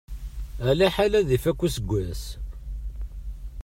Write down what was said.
Alaḥal ad ifakk useggas.